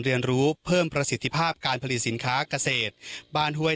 เรียนรู้เพิ่มประสิทธิภาพการผลิตสินค้าเกษตรบ้านห้วย